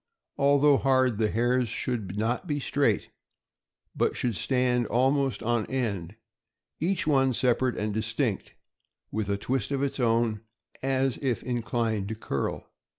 Although hard, the hairs should not be straight, but should stand almost on end, each one separate and distinct, with a twist of its own, as if inclined to curl.